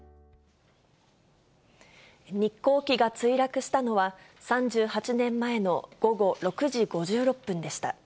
日航機が墜落したのは、３８年前の午後６時５６分でした。